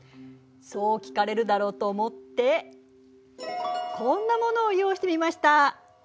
そう聞かれるだろうと思ってこんなものを用意してみました。